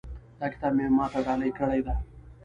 دا کتاب یې ما ته ډالۍ کړی ده